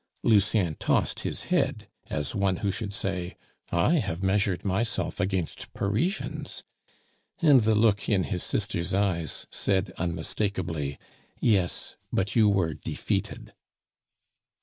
Lucien tossed his head, as one who should say, "I have measured myself against Parisians," and the look in his sister's eyes said unmistakably, "Yes, but you were defeated."